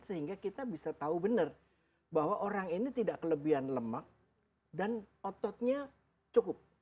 sehingga kita bisa tahu benar bahwa orang ini tidak kelebihan lemak dan ototnya cukup